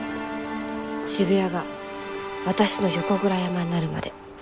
渋谷が私の横倉山になるまで。